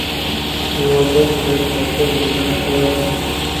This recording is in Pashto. د وردګ ولایت مرکز میدان ښار دي.